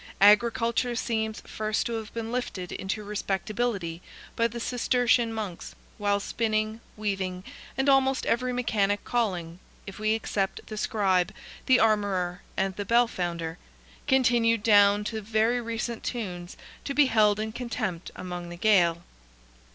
Agriculture seems first to have been lifted into respectability by the Cistercian Monks, while spinning, weaving, and almost every mechanic calling, if we except the scribe, the armorer, and the bell founder, continued down to very recent tunes to be held in contempt among the Gael.